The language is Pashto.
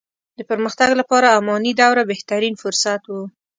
د پرمختګ لپاره اماني دوره بهترين فرصت وو.